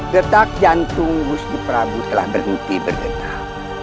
detak jantung gusti prabu telah berhenti berdenam